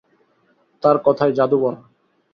তার কথায় জাদু ভরা।